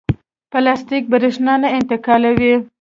پلاستیک برېښنا نه انتقالوي.